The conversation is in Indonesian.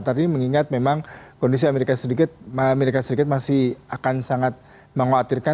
tadi mengingat memang kondisi amerika serikat masih akan sangat mengkhawatirkan